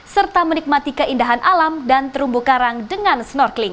serta menikmati keindahan alam dan terumbu karang dengan snorkeling